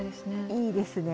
いいですね。